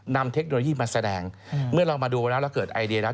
เทคโนโลยีมาแสดงเมื่อเรามาดูแล้วเราเกิดไอเดียแล้ว